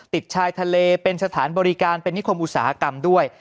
ติดชายทะเลเป็นสถานบริการเป็นนิคมอุตสาหกรรมด้วย